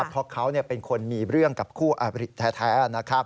เพราะเขาเป็นคนมีเรื่องกับคู่อริที่แท้